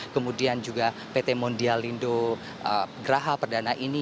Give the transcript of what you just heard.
kemudian juga pt mondialindo geraha perdana ini